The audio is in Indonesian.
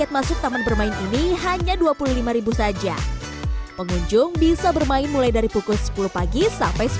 masuk taman bermain ini hanya dua puluh lima saja pengunjung bisa bermain mulai dari pukul sepuluh pagi sampai